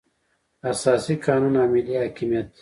اساسي قانون او ملي حاکمیت.